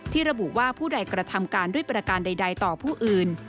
ระบุว่าผู้ใดกระทำการด้วยประการใดต่อผู้อื่น